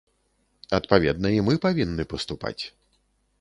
Адпаведна і мы павінны паступаць.